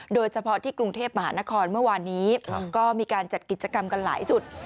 โดยเฉพาะที่กรุงเทพมหานครเมื่อวานนี้ก็มีการจัดกิจกรรมกันหลายจุด